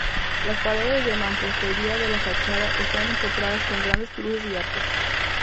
Las paredes de mampostería de la fachada están empotradas con grandes cruces y arcos.